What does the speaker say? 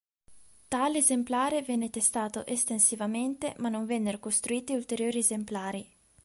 Tale esemplare venne testato estensivamente ma non vennero costruiti ulteriori esemplari.